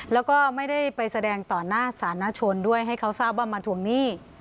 แล้วก็ไม่ได้ไปแสดงต่อหน้าสานชนด้วยให้เขาทราบว่ามาทวงหนี้